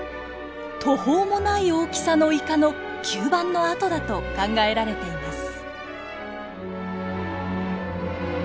途方もない大きさのイカの吸盤の跡だと考えられています。